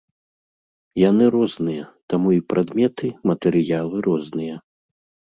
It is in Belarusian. Яны розныя, таму і прадметы, матэрыялы розныя.